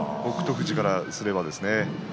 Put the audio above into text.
富士からすればですね。